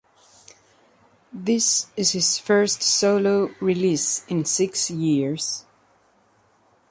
This is his first solo release in six years.